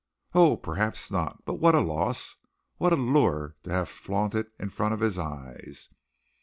"Oh, perhaps not, but what a loss, what a lure to have flaunted in front of his eyes!